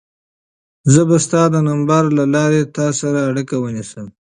زه به ستا د نمبر له لارې له تا سره اړیکه ونیسم.